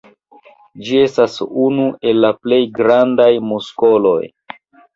Ĝi estas unu el la plej grandaj muskoloj.